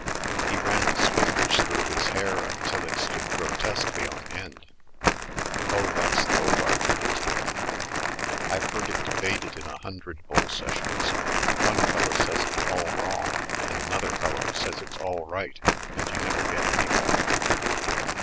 He ran his fingers through his hair until it stood grotesquely on end. "Oh, that's the old argument. I've heard it debated in a hundred bull sessions. One fellow says it's all wrong, and another fellow says it's all right, and you never get anywhere.